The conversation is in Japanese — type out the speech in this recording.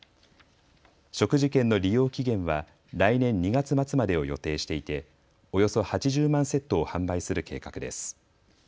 食事券の利用期限は来年２月末までを予定していておよそ８０万セットを販売する計画です。